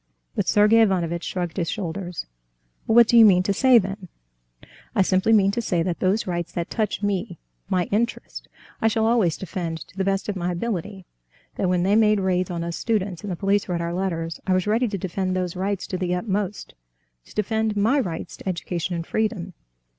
But Sergey Ivanovitch shrugged his shoulders. "Well, what do you mean to say, then?" "I simply mean to say that those rights that touch me ... my interest, I shall always defend to the best of my ability; that when they made raids on us students, and the police read our letters, I was ready to defend those rights to the utmost, to defend my rights to education and freedom.